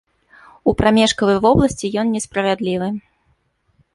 У прамежкавай вобласці ён несправядлівы.